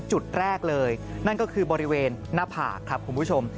จุดแรกเลยนั่นก็คือบริเวณหน้าผากครับคุณผู้ชม